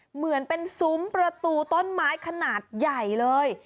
เหมือนเป็นซุ้มประตูต้นไม้ขนาดใหญ่เลย